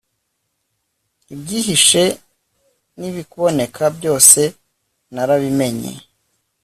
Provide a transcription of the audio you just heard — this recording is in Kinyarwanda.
ibyihishe n'ibiboneka byose, narabimenye